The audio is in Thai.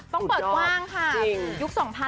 ต้องเปิดกว้างค่ะ